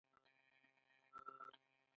لاس په لاس به سره ځو.